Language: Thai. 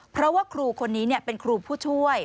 เพราะว่าครูคนนี้เป็นครูผู้ช่วย